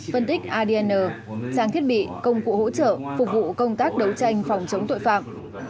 phân tích adn trang thiết bị công cụ hỗ trợ phục vụ công tác đấu tranh phòng chống tội phạm